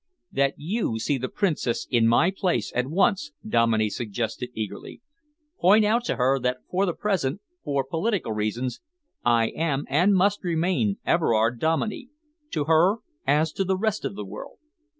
"That you see the Princess in my place at once," Dominey suggested eagerly. "Point out to her that for the present, for political reasons, I am and must remain Everard Dominey, to her as to the rest of the world.